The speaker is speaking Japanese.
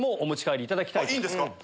いいんですか